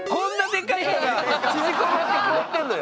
縮こまってこうやってんのよ。